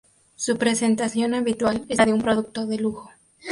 Su presentación habitual es la de un producto de lujo.